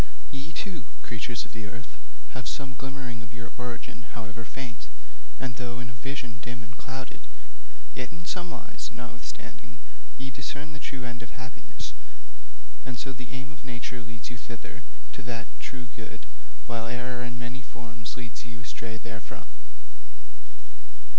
'Ye, too, creatures of earth, have some glimmering of your origin, however faint, and though in a vision dim and clouded, yet in some wise, notwithstanding, ye discern the true end of happiness, and so the aim of nature leads you thither to that true good while error in many forms leads you astray therefrom.